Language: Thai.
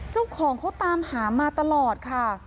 เจ้าของเขาตามหามาตลอดค่ะ